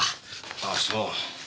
ああそう。